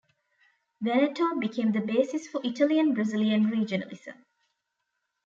Veneto became the basis for Italian-Brazilian regionalism.